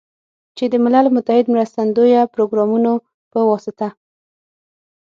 چې د ملل متحد مرستندویه پروګرامونو په واسطه